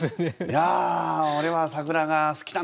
「いや俺は桜が好きなんだ！」。